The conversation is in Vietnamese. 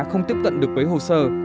không tiếp cận được với hồ sơ